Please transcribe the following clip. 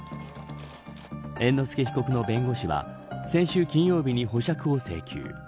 猿之助被告の弁護士は先週金曜日に保釈を請求。